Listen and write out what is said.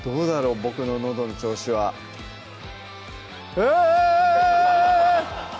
僕ののどの調子は「あぁ！」